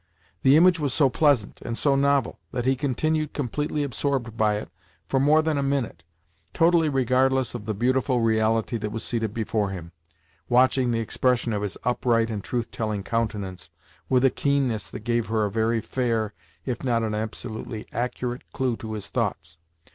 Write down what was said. The image was so pleasant, and so novel, that he continued completely absorbed by it for more than a minute, totally regardless of the beautiful reality that was seated before him, watching the expression of his upright and truth telling countenance with a keenness that gave her a very fair, if not an absolutely accurate clue to his thoughts.